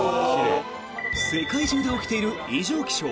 世界中で起きている異常気象。